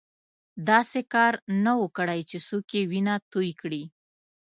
داسې کار نه وو کړی چې څوک یې وینه توی کړي.